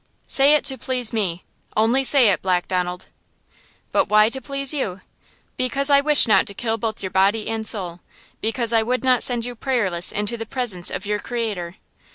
"Say it to please me! Only say it, Black Donald!" "But why to please you?" "Because I wish not to kill both your body and soul–because I would not send you prayerless into the presence of your Creator!